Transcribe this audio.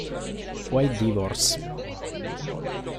Why Divorce?